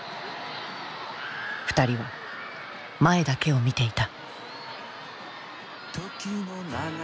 ２人は前だけを見ていた。